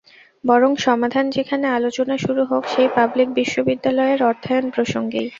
বরং সমাধান যেখানে, আলোচনা শুরু হোক সেই পাবলিক বিশ্ববিদ্যালয়ের অর্থায়ন প্রসঙ্গেই।